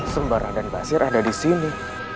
sembaran dan basir ada disini